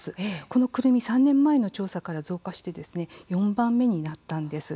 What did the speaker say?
このくるみ、３年前の調査から増加して、４番目になったんです。